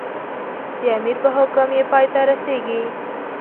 د امیر په حکم یې پای ته رسېږي.